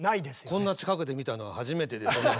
こんな近くで見たのは初めてですね。